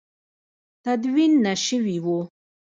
تدوین نه شوي وو.